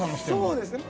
そうですね。